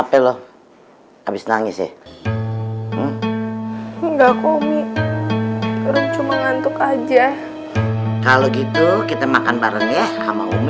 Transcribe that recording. pelo habis nangis ya enggak komik orang cuma ngantuk aja kalau gitu kita makan bareng ya sama umi